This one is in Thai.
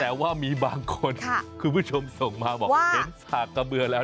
แต่ว่ามีบางคนคุณผู้ชมส่งมาบอกเห็นสากกระเบือแล้ว